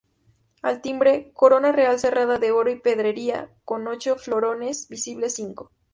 Al timbre, corona real cerrada de oro y pedrería, con ocho florones, visibles cinco.